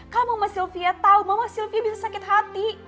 kamu mas sylvia tahu mama sylvia bisa sakit hati